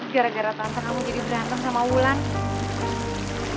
gara gara tante kamu jadi sembantem sama ulan